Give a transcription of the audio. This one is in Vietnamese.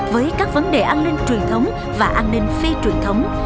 với các vấn đề an ninh truyền thống và an ninh phi truyền thống